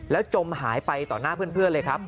จมหายไปต่อหน้าเพื่อนเลยครับ